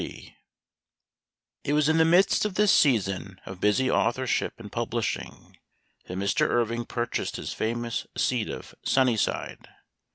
T T was in the midst of this season of busy * authorship and publishing that Mr. Irving purchased his famous seat of " Sunnyside."